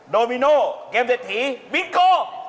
โตมิโนเกมเสร็จถีวิงโก